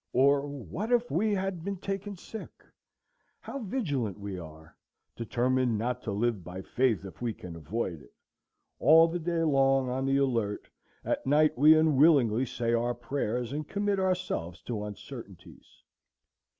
or, what if we had been taken sick? How vigilant we are! determined not to live by faith if we can avoid it; all the day long on the alert, at night we unwillingly say our prayers and commit ourselves to uncertainties.